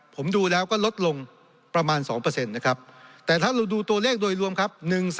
ผมดูแล้วก็ลดลงประมาณ๒นะครับแต่ถ้าเราดูตัวเลขโดยรวมครับ